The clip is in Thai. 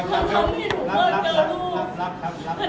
ให้ใจดีให้รักให้รับทั้งทั้งให้หนูเจอลูก